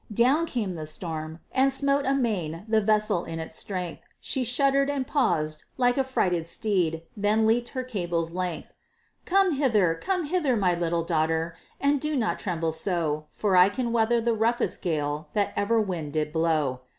Down came the storm, and smote amain The vessel in its strength; She shuddered and paused, like a frighted steed, Then leaped her cable's length. "Come hither, come hither, my little daughtèr, And do not tremble so; For I can weather the roughest gale That ever wind did blow."